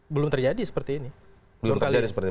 belum terjadi seperti ini